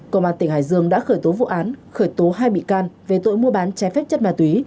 công an tỉnh hải dương đã khởi tố vụ án khởi tố hai bị can về tội mua bán trái phép chất ma túy